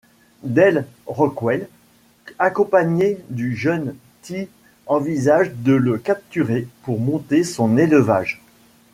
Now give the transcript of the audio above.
Del Rockwell accompagné du jeune Ti envisage de le capturer pour monter son élevage.